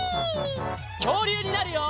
きょうりゅうになるよ！